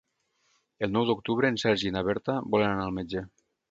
El nou d'octubre en Sergi i na Berta volen anar al metge.